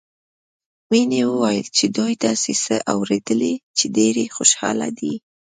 مينې وويل چې دوي داسې څه اورېدلي چې ډېرې خوشحاله دي